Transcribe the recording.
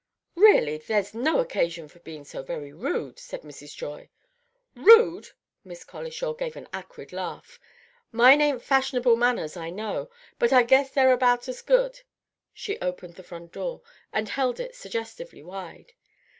"Really, there's no occasion for being so very rude," said Mrs. Joy. "Rude!" Miss Colishaw gave an acrid laugh. "Mine ain't fashionable manners, I know; but I guess they're about as good." She opened the front door, and held it suggestively wide.